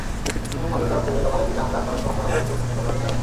আমাদের তরফ থেকে সকালের দিকে আমরা স্বরাষ্ট্র মন্ত্রণালয়কে ফোনে ঘটনাটি জানাই।